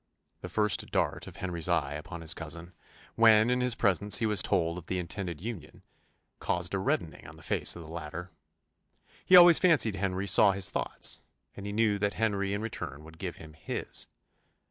The first dart of Henry's eye upon his cousin, when, in his presence, he was told of the intended union, caused a reddening on the face of the latter: he always fancied Henry saw his thoughts; and he knew that Henry in return would give him his.